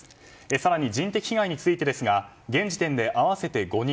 更に人的被害についてですが現時点で、合わせて５人。